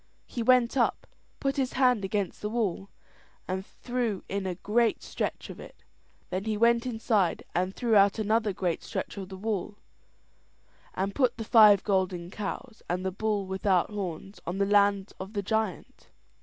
He went up, put his back against the wall, and threw in a great stretch of it; then he went inside and threw out another great stretch of the wall, and put the five golden cows and the bull without horns on the land of the giant.